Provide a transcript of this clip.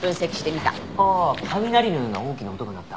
ああ雷のような大きな音が鳴った。